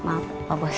maaf pak bos